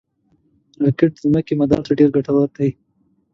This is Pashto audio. راکټ د ځمکې مدار ته ډېر ګټور دي